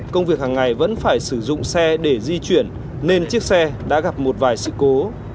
công việc hàng ngày vẫn phải sử dụng xe để di chuyển nên chiếc xe đã gặp một vài sự cố